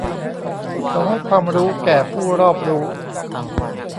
เขาให้ความรู้แก่ผู้รอบรู้